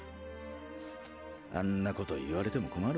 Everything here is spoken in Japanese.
あんなこと言われても困るわな。